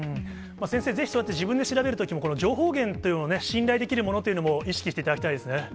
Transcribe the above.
先生、ぜひそうやって自分で調べるときも、この情報源というのを、信頼できるものというのも意識していただきたいですね。